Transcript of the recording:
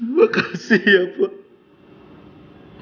makasih ya pak